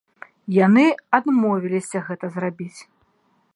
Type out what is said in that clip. Яны адмовіліся гэта зрабіць.